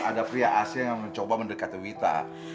ada pria asean yang mencoba mendekati wita